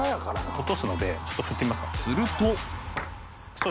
落とすのでちょっと振ってみますか？